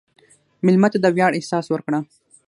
مېلمه ته د ویاړ احساس ورکړه.